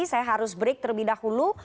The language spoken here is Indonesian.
saya harus break terlebih dahulu